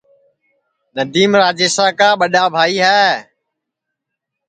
ندیم راجیشا کا ٻڈؔا بھائی ہے